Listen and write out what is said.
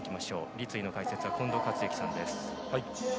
立位の解説は近藤克之さんです。